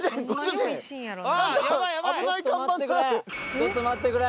ちょっと待ってくれ。